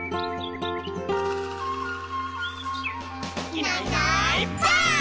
「いないいないばあっ！」